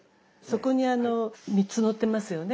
そこにあの３つのってますよね。